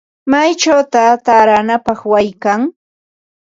¿Maychawta taaranapaq wayi kan?